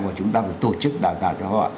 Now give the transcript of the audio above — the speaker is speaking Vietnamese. và chúng ta phải tổ chức đào tạo cho họ